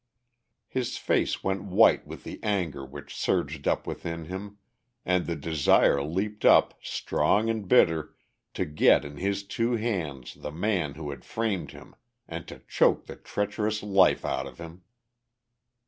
His face went white with the anger which surged up within him and the desire leaped up, strong and bitter, to get in his two hands the man who had framed him and to choke the treacherous life out of him.